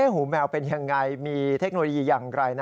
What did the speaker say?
หูแมวเป็นยังไงมีเทคโนโลยีอย่างไร